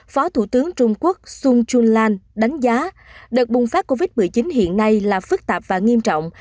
phó thủ tướng trung quốc sun chunlan đánh giá đợt bùng phát covid một mươi chín hiện nay là phức tạp và nghiêm trọng